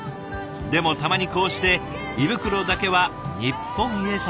でもたまにこうして胃袋だけは日本へ里帰り。